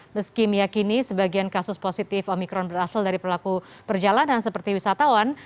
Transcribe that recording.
meski meyakini sebagian kasus positif omikron berasal dari pelaku perjalanan seperti wisatawan